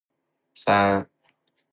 三国杀是一款蒸蒸日上的网络游戏。